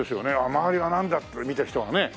「周りはなんだ！？」ってそれ見てる人はね。